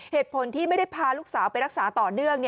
เหตุผลที่ไม่ได้พาลูกสาวไปรักษาต่อเนื่อง